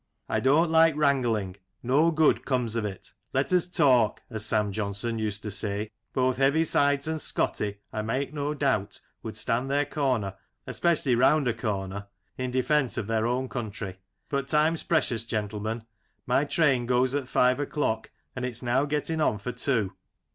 I don't like wrang ling, no good comes of it " Let us talk," as Sam Johnson used to say. Both Heavisides and Scotty, J make no doubt, ^ould stand their comer — especially round a corner — in de fence of their own country ; but time's precious, gentlemen ; my train goes at five o'clock, and it's now getting on for two.